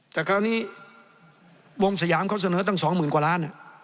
แต่คราวนี้วงสยามเขาเสนอตั้ง๒๐๐๐กว่าล้าน